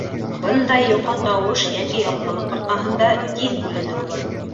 Бындай йоҡо тауыш йәки яҡтылыҡ арҡаһында тиҙ бүленеүе бар.